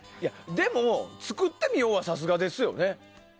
でも、作ってみようはさすがですよね。